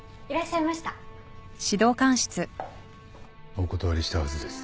お断りしたはずです。